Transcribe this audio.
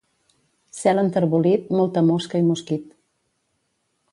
Cel enterbolit, molta mosca i mosquit.